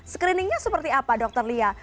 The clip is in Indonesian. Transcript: screening nya seperti apa dokter lia